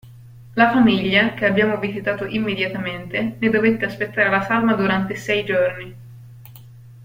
La famiglia, che abbiamo visitato immediatamente, ne dovette aspettare la salma durante sei giorni!